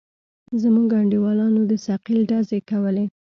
زموږ انډيوالانو د ثقيل ډزې کولې.